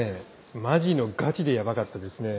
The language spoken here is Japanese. マジのガチでヤバかったですね。